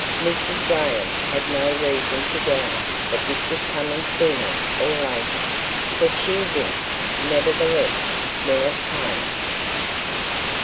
Mrs. Graham had no reason to doubt that this was coming sooner or later, but she winced nevertheless when it came.